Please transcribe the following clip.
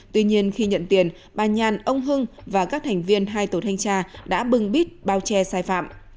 tuy nhiên khi nhận tiền bà nhàn ông hưng và các thành viên hai tổ thanh tra đã bưng bít bao che sai phạm